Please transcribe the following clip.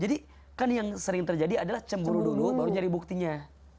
jadi kan yang sering terjadi adalah cemburu dulu baru nyari buktinya